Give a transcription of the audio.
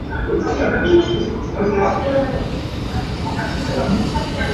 Saduh na thahmi cu a tling kho hnga maw?